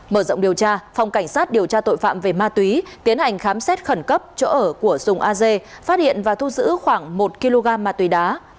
mở rộng điều tra phòng cảnh sát điều tra tội phạm về ma tuý tiến hành khám xét khẩn cấp chỗ ở của sùng ag phát hiện và thu giữ khoảng một kg ma tuý đá